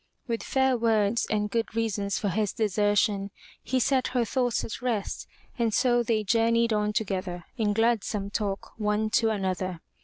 With fair words and good reasons for his desertion, he set her thoughts at rest and so they journeyed on together, in gladsome talk one to another.